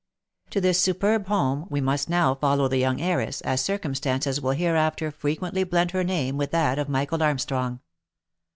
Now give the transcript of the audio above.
To this superb home we must now follow the young heiress, as circumstances will hereafter frequently blend her name with that of Michael Arm strong.